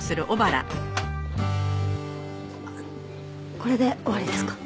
これで終わりですか？